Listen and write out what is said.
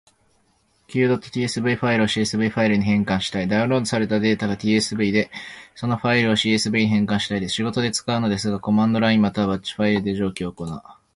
Q.tsv ファイルを csv ファイルに変換したいダウンロードされたデータが tsv で、そのファイルを csv に変換したいです。仕事で使うのですが、コマンドラインまたはバッチファイルで上記を行...